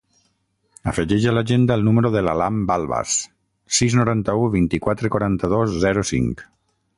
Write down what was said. Afegeix a l'agenda el número de l'Alan Balbas: sis, noranta-u, vint-i-quatre, quaranta-dos, zero, cinc.